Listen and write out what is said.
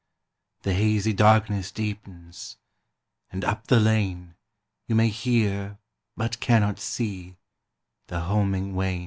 The hazy darkness deepens, And up the lane You may hear, but cannot see, The homing wain.